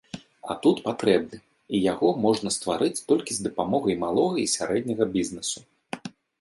А тут патрэбны, і яго можна стварыць толькі з дапамогай малога і сярэдняга бізнэсу.